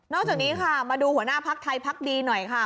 จากนี้ค่ะมาดูหัวหน้าพักไทยพักดีหน่อยค่ะ